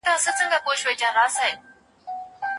څنګه زیاته ډوډۍ ماڼۍ ته وړل کیږي؟